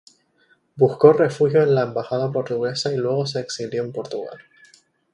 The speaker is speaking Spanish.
Buscó refugio en la embajada portuguesa y luego se exilió en Portugal.